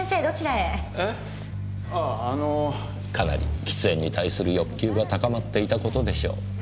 かなり喫煙に対する欲求が高まっていたことでしょう。